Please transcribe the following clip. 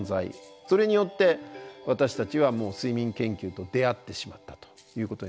それによって私たちはもう睡眠研究と出会ってしまったということになります。